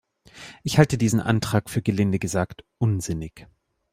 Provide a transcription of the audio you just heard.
Ich halte diesen Antrag für gelinde gesagt unsinnig.